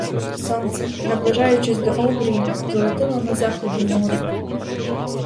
Сонце, наближаючись до обрію, золотило на заході море.